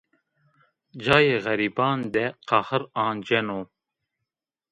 Cayê xerîban de qehir anceno